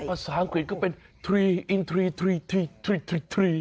ภาษาอังกฤษก็เป็นทรีอินทรีทรีทรีทรีทรี